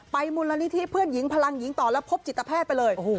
มูลนิธิเพื่อนหญิงพลังหญิงต่อแล้วพบจิตแพทย์ไปเลย